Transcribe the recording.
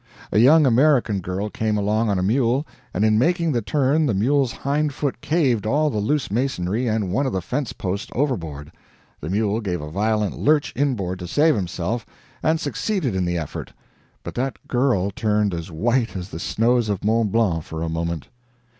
A young American girl came along on a mule, and in making the turn the mule's hind foot caved all the loose masonry and one of the fence posts overboard; the mule gave a violent lurch inboard to save himself, and succeeded in the effort, but that girl turned as white as the snows of Mont Blanc for a moment.